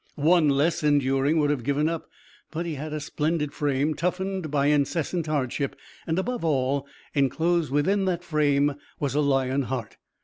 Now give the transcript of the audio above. One less enduring would have given up, but he had a splendid frame, toughened by incessant hardship. And, above all, enclosed within that frame was a lion heart.